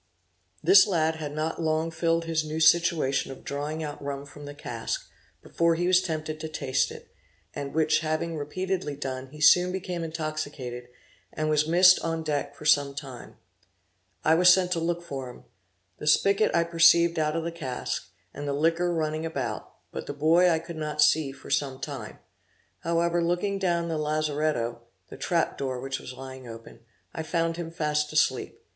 This lad had not long filled his new situation of drawing out rum from the cask, before he was tempted to taste it, and which having repeatedly done he soon became intoxicated, and was missed on deck for some time. I was sent to look for him. The spigot I perceived out of the cask, and the liquor running about, but the boy I could not see for some time; however looking down the lazeretto (the trap door of which was lying open), I found him fast asleep.